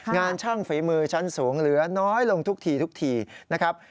ช่างฝีมือชั้นสูงเหลือน้อยลงทุกทีทุกทีนะครับ